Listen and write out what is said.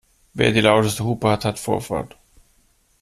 Wer die lauteste Hupe hat, hat Vorfahrt.